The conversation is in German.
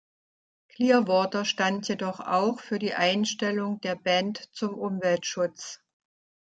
Clearwater stand jedoch auch für die Einstellung der Band zum Umweltschutz.